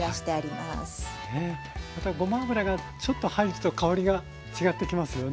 またごま油がちょっと入ると香りが違ってきますよね。